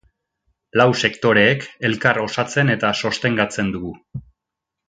Lau sektoreek elkar osatzen eta sostengatzen dugu.